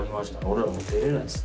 俺らもう出れないです。